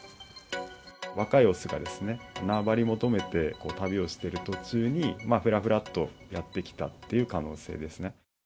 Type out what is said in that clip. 若い雄が縄張り求めて旅をしている途中に、ふらふらっとやって来たという可能性ですね。